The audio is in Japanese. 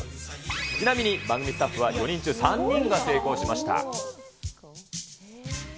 ちなみに番組スタッフは４人中３人が成功しました。